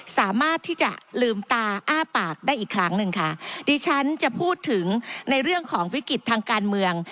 สามารถที่จะลืมตาอ้าปากได้อีกครั้งหนึ่งค่ะดิฉันจะพูดถึงในเรื่องของวิกฤตทางการเมือง